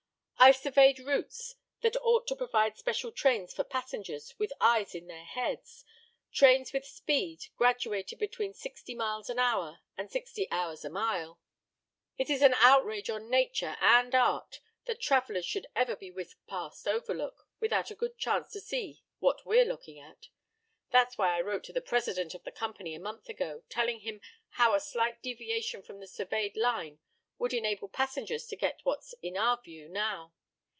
I've surveyed routes that ought to provide special trains for passengers with eyes in their heads trains with speed graduated between sixty miles an hour and sixty hours a mile. It is an outrage on nature and art that travelers should ever be whisked past Overlook without a good chance to see what we're looking at. That's why I wrote to the president of the company a month ago, telling him how a slight deviation from the surveyed line would enable passengers to get what's in our view now.